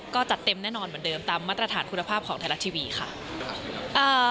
ก็จัดเต็มแน่นอนเหมือนเดิมตามมาตรฐานคุณภาพของไทยรัฐทีวีค่ะ